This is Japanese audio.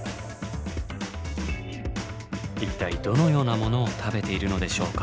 一体どのようなものを食べているのでしょうか？